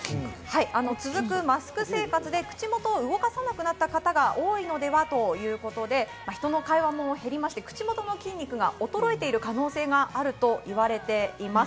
続くマスク生活で口元を動かさなくなった方が多いのではということで、人と会話も減り、口元の筋肉が衰えている可能性もあると言われています。